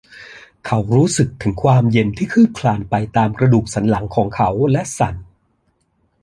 เขารู้สึกถึงความเย็นที่คืบคลานไปตามกระดูกสันหลังของเขาและสั่น